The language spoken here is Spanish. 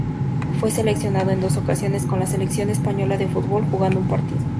Fue seleccionado en dos ocasiones con la Selección Española de Fútbol, jugando un partido.